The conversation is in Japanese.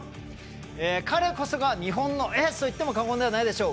彼こそが日本のエースといっても過言ではないでしょう。